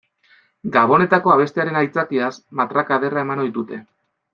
Gabonetako abestiaren aitzakiaz matraka ederra eman ohi dute.